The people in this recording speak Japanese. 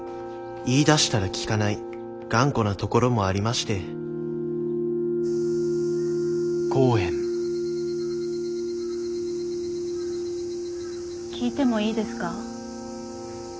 言いだしたら聞かない頑固なところもありまして聞いてもいいですか？